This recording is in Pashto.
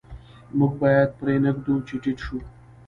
موږ باید پرې نه ږدو چې ټیټ شو.